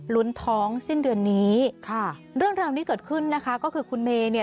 ท้องสิ้นเดือนนี้ค่ะเรื่องราวนี้เกิดขึ้นนะคะก็คือคุณเมย์เนี่ย